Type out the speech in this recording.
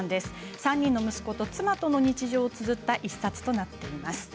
３人の息子と妻との日常をつづった１冊です。